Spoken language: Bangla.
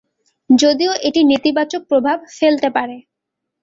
যদিও এটি নেতিবাচক প্রভাব ফেলতে পারে।